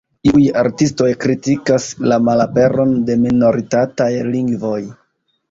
Iuj artistoj kritikas la malaperon de minoritataj lingvoj.